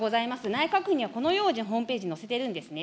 内閣府にはこのようにホームページに載せてるんですね。